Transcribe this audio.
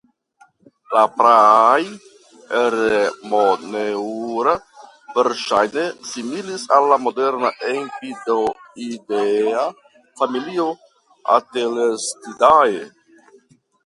La praaj "Eremoneura" verŝajne similis al la moderna empidoidea familio "Atelestidae".